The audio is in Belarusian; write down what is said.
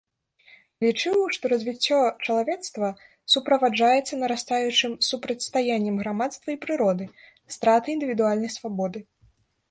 Лічыў, што развіццё чалавецтва суправаджаецца нарастаючым супрацьстаяннем грамадства і прыроды, стратай індывідуальнай свабоды.